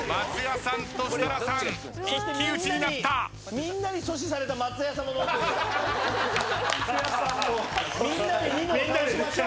みんなに阻止された松也さんが残ってる。